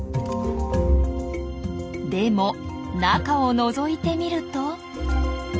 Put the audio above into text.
でも中をのぞいてみると。